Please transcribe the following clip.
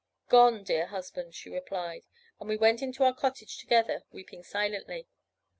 "'Gone, dear husband,' she replied; and we went into our cottage together, weeping silently.